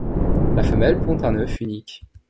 La femelle pond un œuf unique.